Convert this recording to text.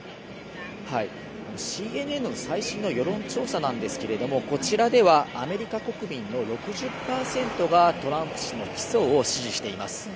ＣＮＮの最新の世論調査ですがこちらでは、アメリカ国民の６０％がトランプ氏の起訴を支持しています。